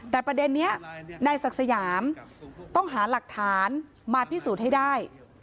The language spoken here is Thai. แต่ประเด็นนี้นายศักดิ์สยามต้องหาหลักฐานมาพิสูจน์ให้ได้